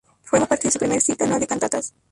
Forma parte de su primer ciclo anual de cantatas.